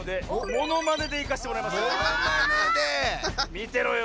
みてろよ！